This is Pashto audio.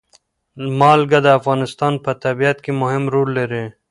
نمک د افغانستان په طبیعت کې مهم رول لري.